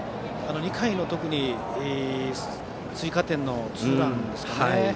２回の特に追加点のツーランですかね。